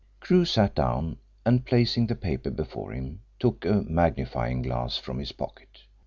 Crewe sat down, and placing the paper before him took a magnifying glass from his pocket.